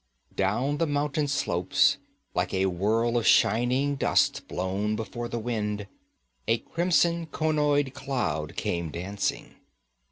Down the mountain slopes, like a whirl of shining dust blown before the wind, a crimson, conoid cloud came dancing.